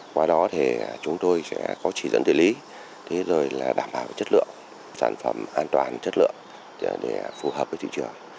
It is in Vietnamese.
qua đó thì chúng tôi sẽ có chỉ dẫn tự lý đảm bảo chất lượng sản phẩm an toàn chất lượng để phù hợp với thị trường